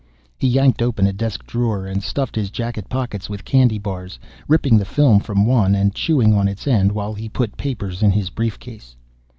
He yanked open a desk drawer and stuffed his jacket pockets with candy bars, ripping the film from one and chewing on its end while he put papers in his brief case.